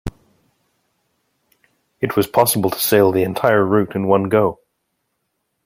It was possible to sail the entire route in one go.